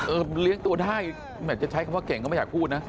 เลี้ยงตัวได้แหมจะใช้คำว่าเก่งก็ไม่อยากพูดนะ